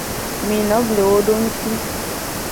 Mi no ble wo do nguti.